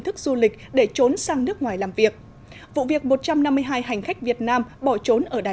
thức du lịch để trốn sang nước ngoài làm việc vụ việc một trăm năm mươi hai hành khách việt nam bỏ trốn ở đài